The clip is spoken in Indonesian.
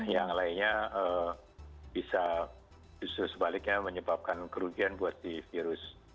yang lainnya bisa justru sebaliknya menyebabkan kerugian buat si virus